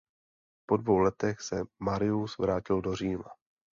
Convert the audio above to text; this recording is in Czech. Po dvou letech se Marius vrátil do Říma.